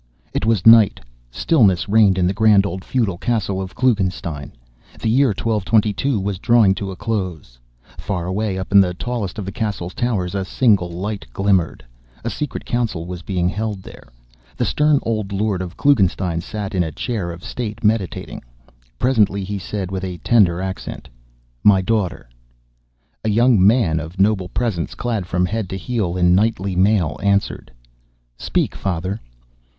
It was night. Stillness reigned in the grand old feudal castle of Klugenstein. The year 1222 was drawing to a close. Far away up in the tallest of the castle's towers a single light glimmered. A secret council was being held there. The stern old lord of Klugenstein sat in a chair of state meditating. Presently he, said, with a tender accent: "My daughter!" A young man of noble presence, clad from head to heel in knightly mail, answered: "Speak, father!"